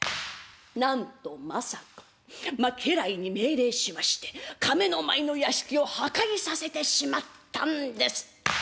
なんと政子家来に命令しまして亀の前の屋敷を破壊させてしまったんです。